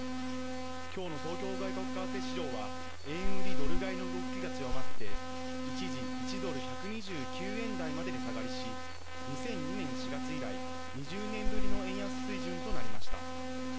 きょうの東京外国為替市場は、円売りドル買いの動きが強まって一時、１ドル１２９円台まで値下がりし２００２年４月以来、２０年ぶりの円安水準となりました。